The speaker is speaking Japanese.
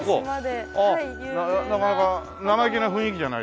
なかなか生意気な雰囲気じゃないですか。